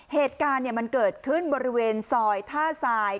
เหตุการณ์มันเกิดขึ้นบริเวณซอยท่าทราย